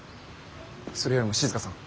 それよりも静さん。